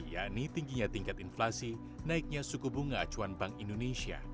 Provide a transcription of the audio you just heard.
yakni tingginya tingkat inflasi naiknya suku bunga acuan bank indonesia